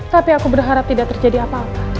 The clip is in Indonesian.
tapi aku berharap tidak terjadi apa apa